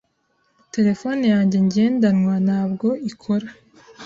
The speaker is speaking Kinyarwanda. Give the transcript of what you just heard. Terefone yanjye ngendanwa ntabwo ikora.